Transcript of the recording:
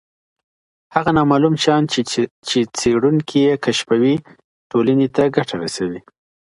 هغه نامعلوم شیان چي څېړونکی یې کشفوي ټولني ته ګټه رسوي.